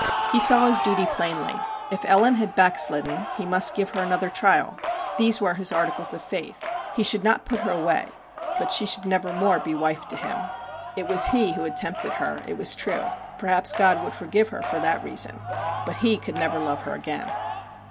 He saw his duty plainly : if Ellen had 'backslidden/ he must give her another trial. These were his articles of faith. He should not put her away; but she should nevermore be wife to him. It was he who MR. JACK HAMLIN'S MEDIATION 57 had tempted her, it was true ; perhaps God would forgive her for that reason, but he could never love her again.